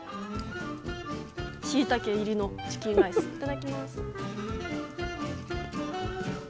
しいたけ入りのチキンライスいただきます。